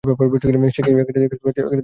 সে কি দাদা!